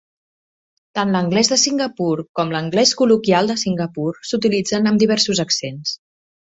Tant l'anglès de Singapur com l'anglès col·loquial de Singapur s'utilitzen amb diversos accents.